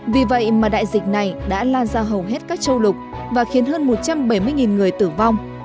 vì vậy mà đại dịch này đã lan ra hầu hết các châu lục và khiến hơn một trăm bảy mươi người tử vong